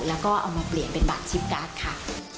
แล้วก็เอามาเปลี่ยนเป็นบัตรชิปการ์ดค่ะ